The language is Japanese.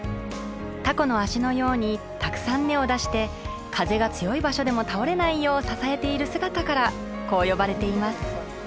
タコの足のようにたくさん根を出して風が強い場所でも倒れないよう支えている姿からこう呼ばれています。